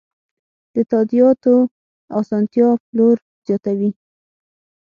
د تادیاتو اسانتیا پلور زیاتوي.